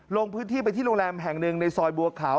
ลงพื้นที่ไปที่โรงแรมแห่งหนึ่งในซอยบัวขาว